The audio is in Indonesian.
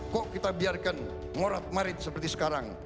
kok kita biarkan morat marit seperti sekarang